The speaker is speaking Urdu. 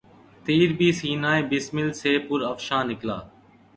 تیر بھی سینہٴ بسمل سے پر افشاں نکلا